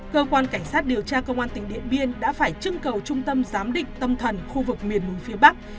cơ quan cảnh sát điều tra công an tỉnh điện biên đã phải trưng cầu trung tâm giám định tâm thần khu vực miền núi phía bắc